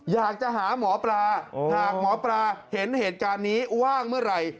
อยากจะหาหมอปลาหากหมอปลาเห็นเหตุการณ์นี้ว่างเมื่อไหร่